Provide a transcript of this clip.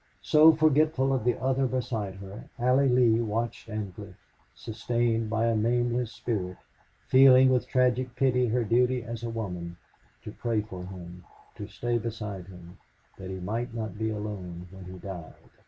So, forgetful of the other beside her, Allie Lee watched Ancliffe, sustained by a nameless spirit, feeling with tragic pity her duty as a woman to pray for him, to stay beside him, that he might not be alone when he died.